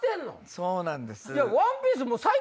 そうなんです。